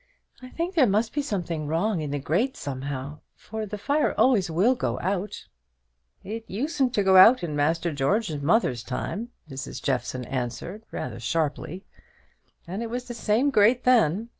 "I think there must be something wrong in the grate somehow, for the fire always will go out." "It usen't to go out in Master George's mother's time," Mrs. Jeffson answered, rather sharply, "and it was the same grate then.